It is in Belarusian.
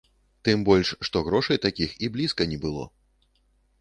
Тым больш, што грошай такіх і блізка не было.